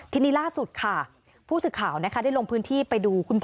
ทีนี้ล่าสุดค่ะผู้สื่อข่าวนะคะได้ลงพื้นที่ไปดูคุณพ่อ